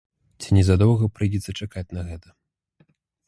Ці не задоўга прыйдзецца чакаць на гэта?